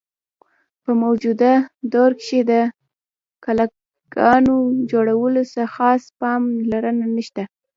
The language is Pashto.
په موجوده دور کښې د قلاګانو جوړولو څۀ خاص پام لرنه نشته۔